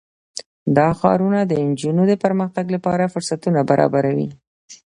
دا ښارونه د نجونو د پرمختګ لپاره فرصتونه برابروي.